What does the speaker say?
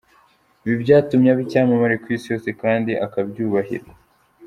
Ibi byatumye aba icyamamare ku isi yose kandi akabyubahirwa.